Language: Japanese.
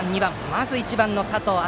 まずは１番の佐藤明